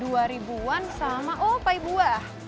dua ribuan sama oh pai buah